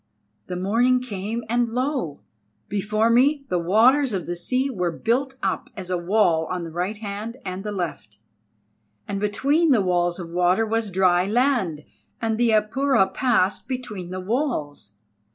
The morning came, and lo! before me the waters of the sea were built up as a wall on the right hand and the left, and between the walls of water was dry land, and the Apura passed between the walls.